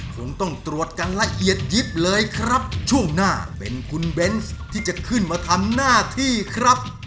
คงต้องตรวจกันละเอียดยิบเลยครับช่วงหน้าเป็นคุณเบนส์ที่จะขึ้นมาทำหน้าที่ครับ